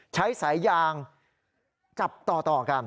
ใช้สายยางจับต่อกัน